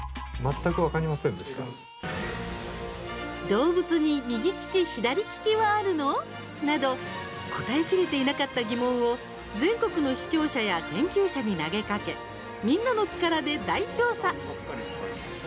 「動物に右利き左利きはあるの？」など答えきれていなかった疑問を全国の視聴者や研究者に投げかけみんなの力で大調査。